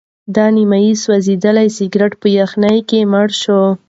دا نیم سوځېدلی سګرټ په یخنۍ کې مړ شو.